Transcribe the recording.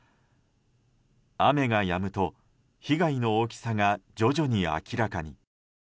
雨がやむと被害の大きさが徐々に明らかに。